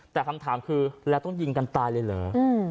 แต่คำถามคือแล้วต้องยิงกันตายเลยเหรอ